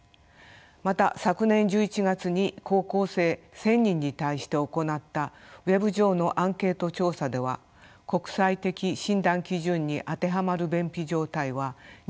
また昨年１１月に高校生１，０００人に対して行ったＷｅｂ上のアンケート調査では国際的診断基準に当てはまる便秘状態は２０．２％でした。